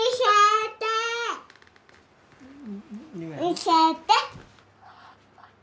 見せて。